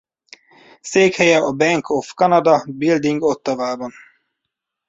Székhelye a Bank of Canada Building Ottawában.